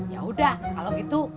yaudah kalau gitu